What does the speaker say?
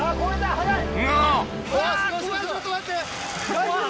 大丈夫？